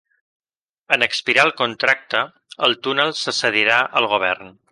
En expirar el contracte, el túnel se cedirà al govern.